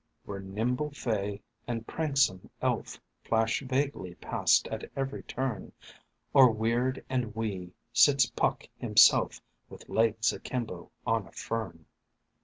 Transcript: "Where nimble fay and pranksome elf Flash vaguely past at every turn, Or, weird and wee, sits Puck himself With legs akimbo on a Fern